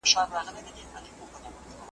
پر مځکي باندي د اوبو یو لوی ډنډ جوړ سوی دی.